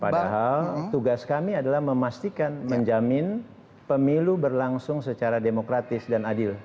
padahal tugas kami adalah memastikan menjamin pemilu berlangsung secara demokratis dan adil